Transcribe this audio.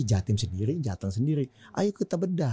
jahatim sendiri jahatan sendiri ayo kita bedah